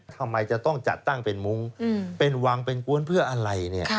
ทำไมจะต้องจัดตั้งเป็นมุ้งเป็นวังเป็นกวนเพื่ออะไรเนี่ย